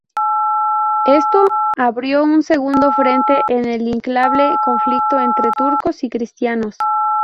Esto abrió un segundo frente en el inacabable conflicto entre turcos y cristianos.